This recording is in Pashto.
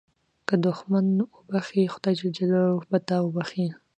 که دوښمن وبخښې، خدای جل جلاله به تا وبخښي.